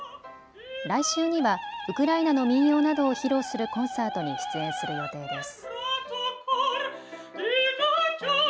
来週にはウクライナの民謡などを披露するコンサートに出演する予定です。